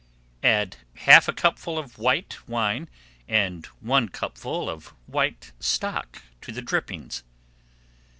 Add half a cupful of white wine and one cupful of white stock to the drippings.